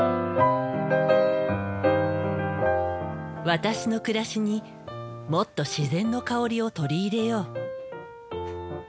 私の暮らしにもっと自然の香りを取り入れよう。